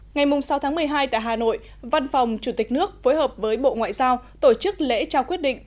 ngày sáu tháng một mươi hai tại hà nội văn phòng chủ tịch nước phối hợp với bộ ngoại giao tổ chức lễ trao quyết định